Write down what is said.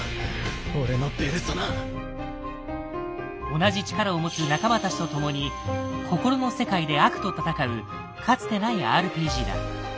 同じ力を持つ仲間たちとともに「心の世界」で悪と戦うかつてないＲＰＧだ。